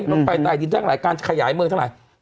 รถไปด้ายดิจานทั้งหลายการจะขยายเมืองทั้งหลาย